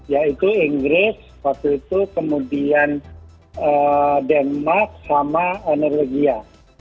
yaitu inggris waktu itu kemudian denmark sama norwegia